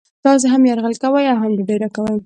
تاسې هم یرغل کوئ او هم ډوډۍ راکوئ